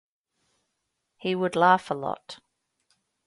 He would laugh a lot.